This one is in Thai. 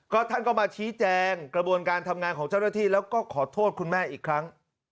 ก็ท่านก็มาชี้แจงกระบวนการทำงานของเจ้าหน้าที่แล้วก็ขอโทษคุณแม่อีกครั้ง